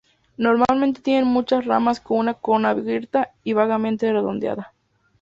Normalmente tienen muchas ramas con una corona abierta y vagamente redondeada.